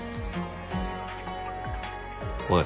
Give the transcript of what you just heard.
おい。